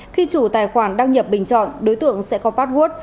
khi chủ tài khoản đăng nhập bình chọn đối tượng sẽ có patwood